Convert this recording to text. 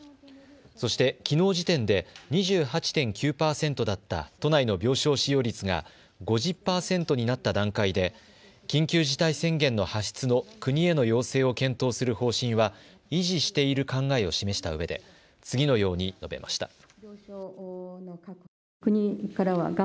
そして、きのう時点で２８．９％だった都内の病床使用率が５０％になった段階で緊急事態宣言の発出の国への要請を検討する方針は維持している考えを示したうえで次のように述べました。